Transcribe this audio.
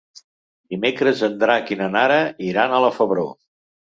Dimecres en Drac i na Nara iran a la Febró.